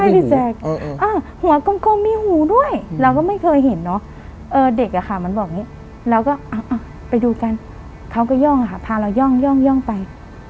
เราก็ไปดูกันเขาก็ย่องอ่ะค่ะพาเราย่องย่องย่องไป